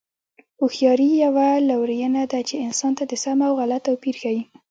هوښیاري یوه لورینه ده چې انسان ته د سم او غلط توپیر ښيي.